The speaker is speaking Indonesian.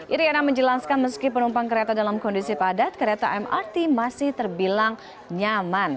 iriana menjelaskan meski penumpang kereta dalam kondisi padat kereta mrt masih terbilang nyaman